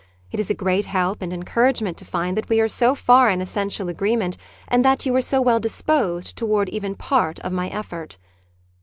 It is a great help and encouragement to find that we are so far in essential agreement, and that you are so well disposed toward even part of my effort.